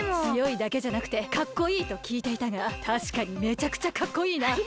つよいだけじゃなくてかっこいいときいていたがたしかにめちゃくちゃかっこいいな。